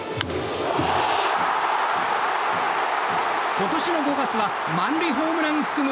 今年の５月は満塁ホームラン含む